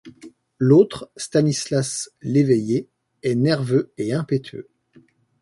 L'autre, Stanislas Léveillée, est nerveux et impétueux.